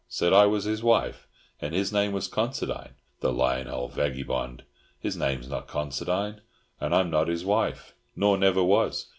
Said I was his wife! And his name was Considine, the lyin' old vaggybond. His name's not Considine, and I'm not his wife, nor never was.